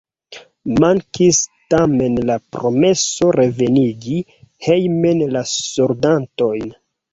Mankis tamen la promeso revenigi hejmen la soldatojn.